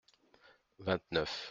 Vingt-neuf.